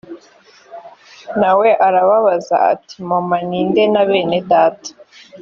na we arababaza ati mama ni nde na bene data